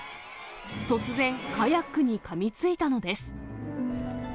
突然、カヤックにかみついたのです。